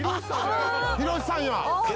「ヒロシさんや！」